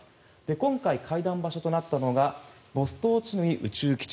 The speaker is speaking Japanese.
今回、会談場所となったのがボストーチヌイ宇宙基地。